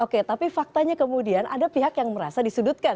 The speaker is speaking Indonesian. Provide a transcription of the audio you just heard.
oke tapi faktanya kemudian ada pihak yang merasa disudutkan